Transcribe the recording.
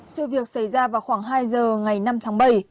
sự việc xảy ra vào khoảng hai giờ ngày năm tháng bảy